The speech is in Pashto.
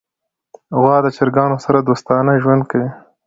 غوا د چرګانو سره دوستانه ژوند کوي.